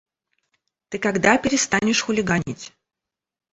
Ты когда перестанешь хулиганить?